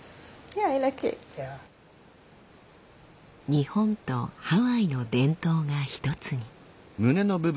日本とハワイの伝統が一つに。